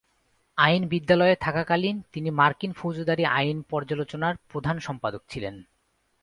আইন বিদ্যালয়ে থাকাকালীন তিনি মার্কিন ফৌজদারি আইন পর্যালোচনার প্রধান সম্পাদক ছিলেন।